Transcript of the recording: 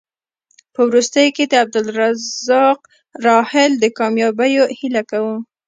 په وروستیو کې د عبدالرزاق راحل د کامیابیو هیله کوو.